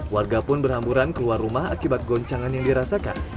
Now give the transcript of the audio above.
warga pun berhamburan keluar rumah akibat goncangan yang dirasakan